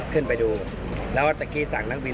ขึ้นไปดูแล้วก็ตะกี้สั่งนักบิน